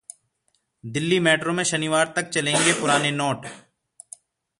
Delhi metro में शनिवार तक चलेंगे पुराने नोट